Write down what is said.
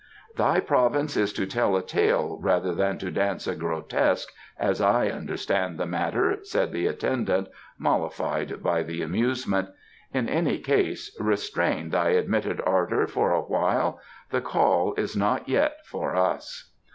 "Thy province is to tell a tale rather than to dance a grotesque, as I understand the matter," said the attendant, mollified by the amusement. "In any case, restrain thy admitted ardour for a while; the call is not yet for us."